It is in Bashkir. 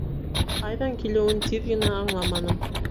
Ҡайҙан килеүен тиҙ генә аңламаным.